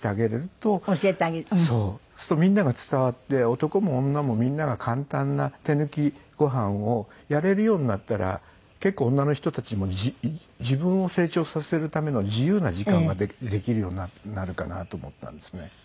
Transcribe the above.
するとみんなが伝わって男も女もみんなが簡単な手抜きごはんをやれるようになったら結構女の人たちも自分を成長させるための自由な時間ができるようになるかなと思ったんですね。